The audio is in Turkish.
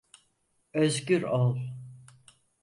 Özgür ol.